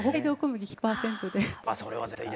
はい。